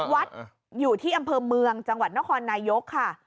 วัดอยู่ที่อำเภอเมืองจังหวัดนครนายกค่ะ